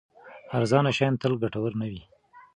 ارزانه شیان تل ګټور نه وي.